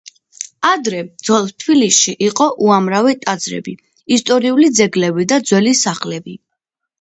ადრე ძველ თბილისში იყო უამრავი ტაძრები, ისტორიული ძეგლები და ძველი სახლები